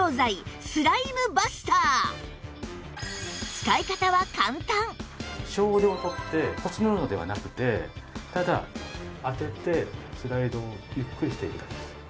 こちらは少量を取ってこするのではなくてただ当ててスライドをゆっくりしていくんです。